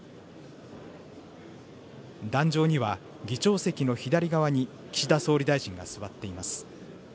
壇上には議長席の左側に岸田総理大臣が座っています。